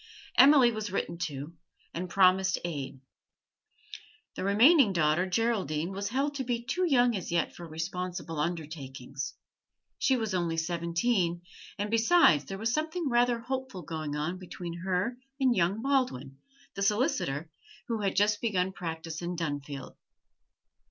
Emily was written to, and promised aid. The remaining daughter, Geraldine, was held to be too young as yet for responsible undertakings; she was only seventeen, and, besides, there was something rather hopeful going on between her and young Baldwin, the solicitor, who had just begun practice in Dunfield.